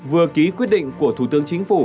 vừa ký quyết định của thủ tướng chính phủ